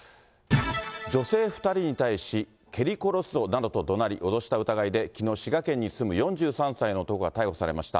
女性２人に対し、蹴り殺すぞなどとどなり、脅した疑いで、きのう、滋賀県に住む４３歳の男が逮捕されました。